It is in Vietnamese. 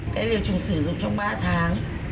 cái liều trùng sử dụng trong ba tháng